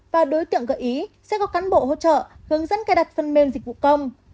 và đối tượng gợi ý sẽ có cán bộ hỗ trợ hướng dẫn cài đặt phần mềm dịch vụ công